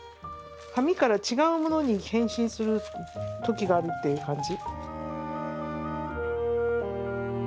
紙から違うものに変身する時があるっていう感じ。